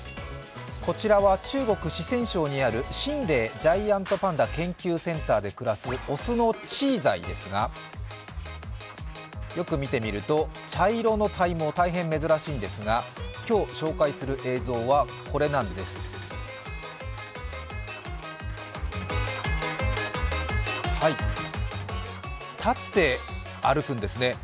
こちらは中国・四川省にある秦嶺ジャイアントパンダ研究センターで暮らす雄のチーザイですが、よく見てみると茶色の体毛、大変珍しいのですが、今日、紹介する映像はこれなんです立って歩くんですね。